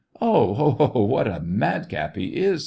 " Oh ho, ho ! What a madcap he is